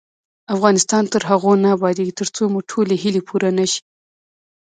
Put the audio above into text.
افغانستان تر هغو نه ابادیږي، ترڅو مو ټولې هیلې پوره نشي.